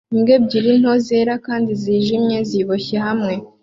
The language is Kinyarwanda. Imbwa ebyiri nto zera kandi zijimye ziboshye hamwe